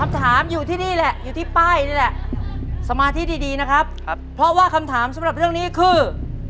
สถามชาติสำหรับเรื่องนี้คือ